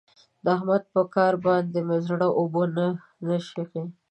د احمد په کار باندې مې زړه اوبه نه څښي.